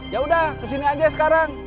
yaudah kesini aja sekarang